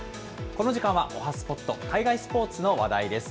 この時間は、おはＳＰＯＴ、海外のスポーツの話題です。